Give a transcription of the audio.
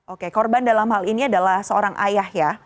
oke korban dalam hal ini adalah seorang ayah ya